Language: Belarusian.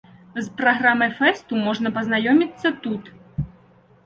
З праграмай фэсту можна пазнаёміцца тут.